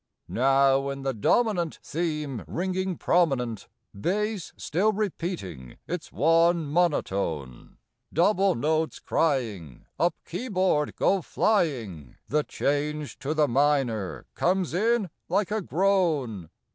Now in the dominant Theme ringing prominent, Bass still repeating its one monotone, Double notes crying, Up keyboard go flying, The change to the minor comes in like a groan.